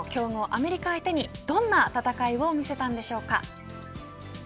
アメリカ相手にどんな戦いを見せたんでしょうか。